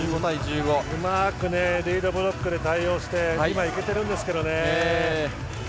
うまくリードブロックで対応して２枚いけてるんですけどね。